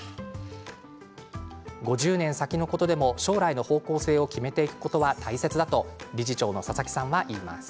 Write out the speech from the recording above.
５０年先のことでも将来の方向性を決めておくことは大切だと理事長の佐々木さんはいいます。